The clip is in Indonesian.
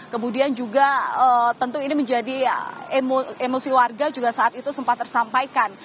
kemudian juga tentu ini menjadi emosi warga juga saat itu sempat tersampaikan